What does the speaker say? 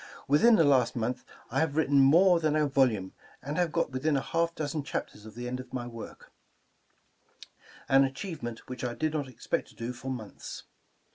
Within the last month I have written more than a volume, and have got within a half dozen chapters of the end of my work, — an achievement which I did not expect to do for months.